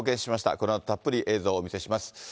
このあとたっぷり映像をお見せします。